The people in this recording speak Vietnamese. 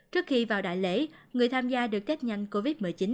trước khi vào đại lễ người tham gia được tết nhanh covid một mươi chín